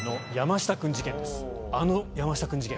あの山下くん事件。